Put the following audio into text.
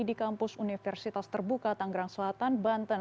di kampus universitas terbuka tanggerang selatan banten